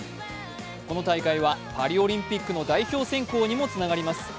この大会はパリオリンピックの代表選考にもつながります。